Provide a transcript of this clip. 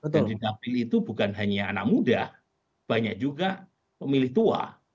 dan di dapil itu bukan hanya anak muda banyak juga pemilih tua